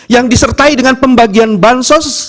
yang disertai dengan pembagian bansos